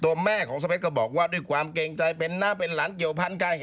แม่ของสเปคก็บอกว่าด้วยความเกรงใจเป็นหน้าเป็นหลานเกี่ยวพันกัน